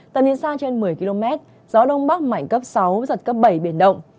tầm nhìn xa trên một mươi km gió đông bắc mạnh cấp sáu giật cấp bảy biển động